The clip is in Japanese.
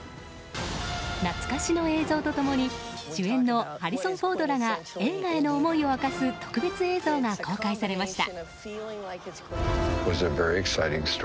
懐かしい映像と共に主演のハリソン・フォードらが映画への思いを明かす特別映像が公開されました。